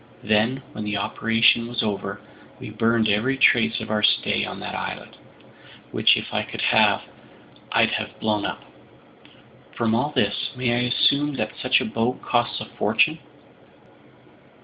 Then, when the operation was over, we burned every trace of our stay on that islet, which if I could have, I'd have blown up." "From all this, may I assume that such a boat costs a fortune?"